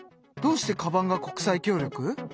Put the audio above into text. どうしてカバンが国際協力？